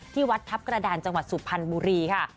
ที่วัดทัพกระดานจังหวัดสุพรรณบุรีค่ะ